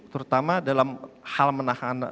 terutama dalam hal menahan